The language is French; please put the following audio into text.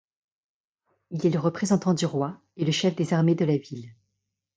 Il est le représentant du roi et le chef des armées de la ville.